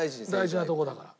大事なとこだから。